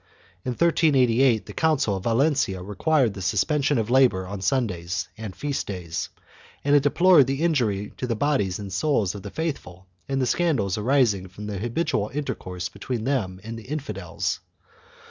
In 1388 the council of Valencia required the suspension of labor on Sundays and feast days, and it deplored the injury to the bodies and souls of the faithful and the scandals arising from the habitual inter course between them and the infidels.